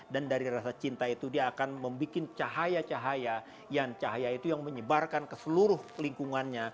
dan dari rasa cinta itu dia akan membuat cahaya cahaya yang cahaya itu yang menyebarkan ke seluruh lingkungannya